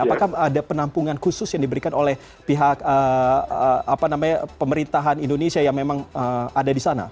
apakah ada penampungan khusus yang diberikan oleh pihak pemerintahan indonesia yang memang ada di sana